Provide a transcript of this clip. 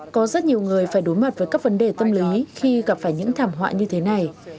có rất nhiều người phải đối mặt với các vấn đề tâm lý khi gặp phải những thảm họa như thế này